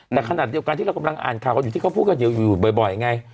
แต่ขนาดเดียวกันที่เรากำลังอ่านข่าวกันอยู่ที่เขาพูดกันอยู่บ่อยไง